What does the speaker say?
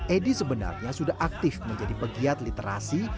edi sebenarnya sudah aktif menjadi pegiat literasi